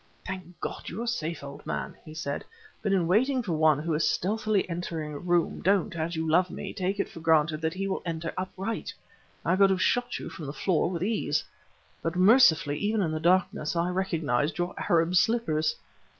"Thank God you are safe, old man," he said. "But in waiting for one who is stealthily entering a room, don't, as you love me, take it for granted that he will enter upright. I could have shot you from the floor with ease! But, mercifully, even in the darkness, I recognized your Arab slippers!"